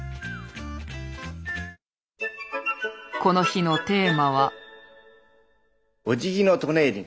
この日のテーマは。